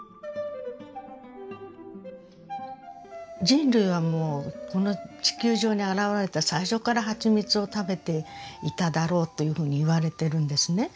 人類はもうこの地球上に現れた最初からはちみつを食べていただろうというふうに言われてるんですね。